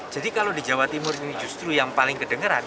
jadi kalau di jawa timur ini justru yang paling kedengeran